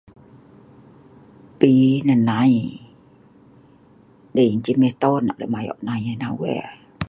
Pi nah nai, dei ceh meton eek lem ayo'nai ena weh.